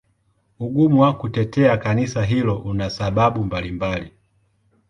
Ugumu wa kutetea Kanisa hilo una sababu mbalimbali.